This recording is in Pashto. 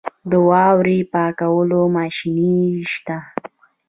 د واورې پاکولو ماشینري شته؟